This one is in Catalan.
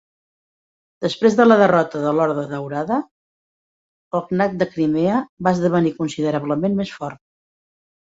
Després de la derrota de l'Horda Daurada, el Khanat de Crimea va esdevenir considerablement més fort.